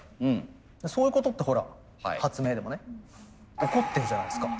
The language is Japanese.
そういうことってほら発明でもね起こってるじゃないですか。